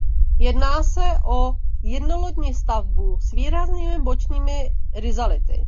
Jedná se o jednolodní stavbu s výraznými bočními rizality.